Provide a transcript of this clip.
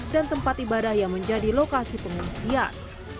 dan tempat ibadah yang menjadi lokasi pengungsian